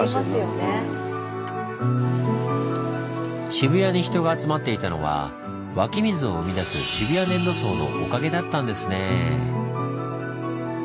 渋谷に人が集まっていたのは湧き水を生み出す渋谷粘土層のおかげだったんですね。